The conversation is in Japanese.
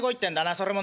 それも何？